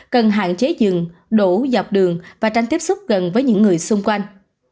cần hạn chế dừng đổ dọc đường và tranh tiếp xúc gần với những người xung quanh